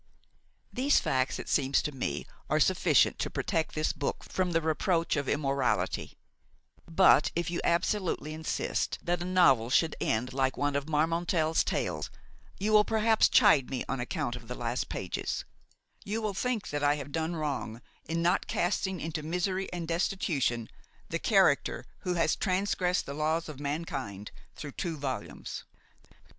These facts, it seems to me, are sufficient to protect this book from the reproach of immorality; but, if you absolutely insist that a novel should end like one of Marmontel's tales, you will perhaps chide me on account of the last pages; you will think that I have done wrong in not casting into misery and destitution the character who has transgressed the laws of mankind through two volumes.